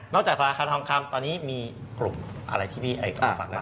นอกจากราคาทองคำตอนนี้มีกลุ่มอะไรที่พี่ออกมา